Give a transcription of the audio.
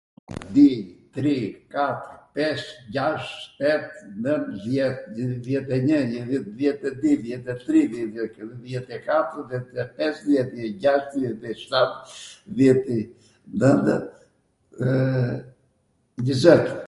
di, tri, katr, pes, gjasht, shtet, nwnd, dhjet, dhjet e njw, dhjet e di, dhjet e tri, dhjet e katwr, dhjet e pes, dhjet e gjasht, dhjet e shtat, dhjet e nwndw, www, njwzet.